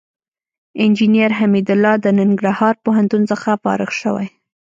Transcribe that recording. انجينر حميدالله د ننګرهار پوهنتون څخه فارغ شوى.